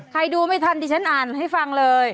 ดูไม่ทันดิฉันอ่านให้ฟังเลย